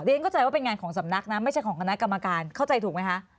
เข้าใจว่าเป็นงานของสำนักนะไม่ใช่ของคณะกรรมการเข้าใจถูกไหมคะ